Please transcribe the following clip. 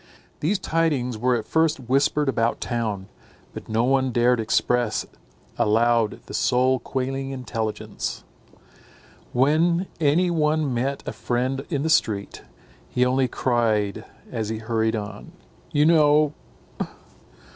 These tidings were at first whispered about town; but no one dared express aloud the soul quailing intelligence. When any one met a friend in the street, he only cried as he hurried on, "You know!"